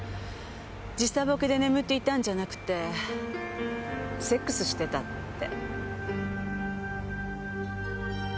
時差ぼけで眠っていたんじゃなくてセックスしてたって。